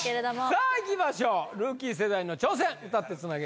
さあいきましょうルーキー世代の挑戦歌ってつなげ！